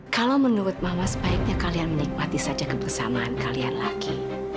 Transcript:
kalau menurut mama sebaiknya kalian menikmati saja kebersamaan kalian lagi